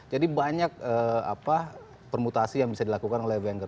jadi banyak permutasi yang bisa dilakukan oleh wenger